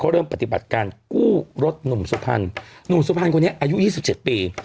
เริ่มปฏิบัติการกู้รถหนุ่มสุพรรณหนุ่มสุพรรณคนนี้อายุ๒๗ปี